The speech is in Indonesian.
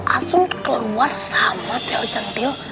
asum keluar sama tel cantil